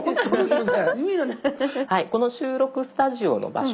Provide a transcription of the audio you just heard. この収録スタジオの場所